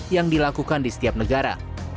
yang dilakukan di setiap negara